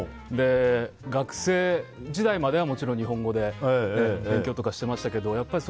学生時代まではもちろん日本語で勉強とかしてましたけど。